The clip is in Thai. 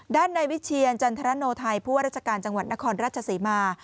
ด้านในวิเชียรจันทรโนไทยผู้ว่าราชการจังหวัดนครราชศรีมา